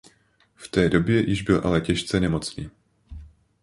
V té době již byl ale těžce nemocný.